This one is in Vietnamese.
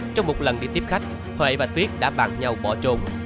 trong một lần đi tiếp khách huệ và tuyết đã bàn nhau bỏ trồn